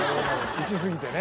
打ち過ぎてね